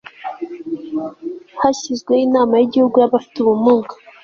hashyizweho inama y' igihugu y'a bafite ubumuga